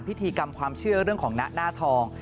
พิธีกรรมความเชื่อเรื่องของหน้าทอง